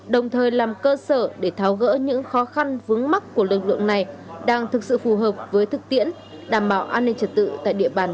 đồng thời làm cơ sở để tháo gỡ những khó khăn vướng mắt của lực lượng này đang thực sự phù hợp với thực tiễn đảm bảo an ninh trật tự tại địa bàn